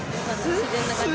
自然な感じ。